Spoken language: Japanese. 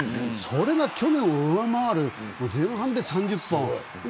それが去年を上回る前半で３０本。